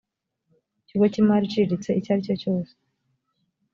ikigo cy imari iciriritse icyo ari cyo cyose